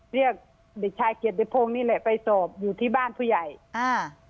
เรียกเด็กชายเกียรติพงศ์นี่แหละไปสอบอยู่ที่บ้านผู้ใหญ่อ่า